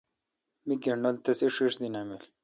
می گینڈل تی ݭݭ دی نامین۔